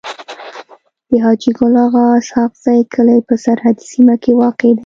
د حاجي ګل اغا اسحق زی کلی په سرحدي سيمه کي واقع دی.